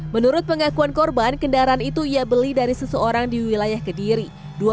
menurut pengakuan korban kendaraan itu ia beli dari seseorang di wilayah kediri